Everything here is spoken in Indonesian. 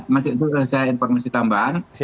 masih ada informasi tambahan